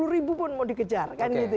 sepuluh ribu pun mau dikejar